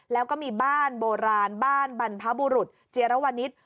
แล้วก็มีบ้านโบราณบ้านบรรพบุรุษเจียรวนิษฐ์